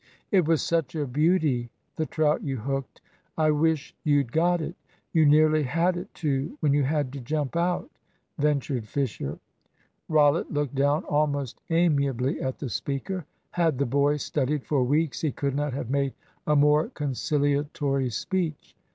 "It was such a beauty, the trout you hooked. I wish you'd got it. You nearly had it too when you had to jump out," ventured Fisher. Rollitt looked down almost amiably at the speaker. Had the boy studied for weeks he could not have made a more conciliatory speech.